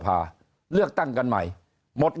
เพราะสุดท้ายก็นำไปสู่การยุบสภา